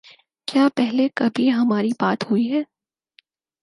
کیا پہلے کبھی ہماری بات ہوئی ہے